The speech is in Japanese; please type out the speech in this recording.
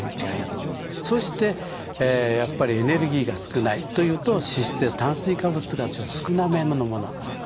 そしてやっぱりエネルギーが少ないというと脂質や炭水化物が少なめのもの。